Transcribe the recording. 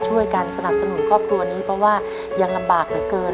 ช่วยกันสนับสนุนครอบครัวนี้เพราะว่ายังลำบากเหลือเกิน